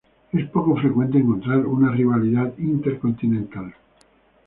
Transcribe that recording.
Es poco frecuente encontrar una rivalidad intercontinental.